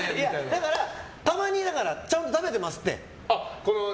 だから、たまにはちゃんと食べてますって。